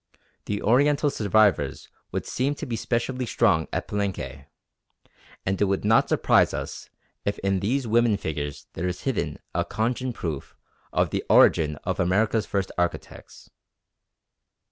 The Oriental survivals would seem to be specially strong at Palenque, and it would not surprise us if in these women figures there is hidden a cogent proof of the origin of America's first architects.